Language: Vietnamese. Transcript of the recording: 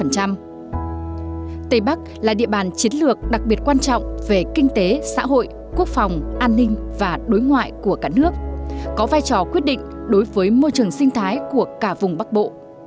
tây bắc là địa bàn chiến lược đặc biệt quan trọng về kinh tế xã hội quốc phòng an ninh và đối ngoại của cả nước có vai trò quyết định đối với môi trường sinh thái của cả vùng bắc bộ